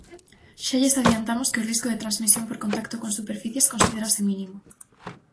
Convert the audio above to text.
Xa lles adiantamos que o risco de transmisión por contacto con superficies considérase mínimo.